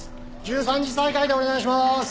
１３時再開でお願いします！